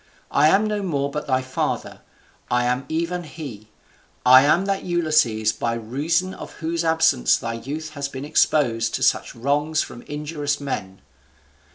I am no more but thy father: I am even he; I am that Ulysses by reason of whose absence thy youth has been exposed to such wrongs from injurious men."